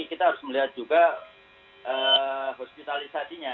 kita harus melihat juga hospitalisasinya